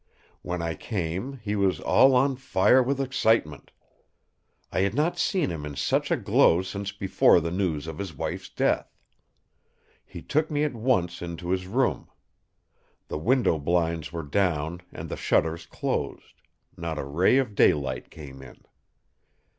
When I came, he was all on fire with excitement. I had not seen him in such a glow since before the news of his wife's death. He took me at once into his room. The window blinds were down and the shutters closed; not a ray of daylight came in.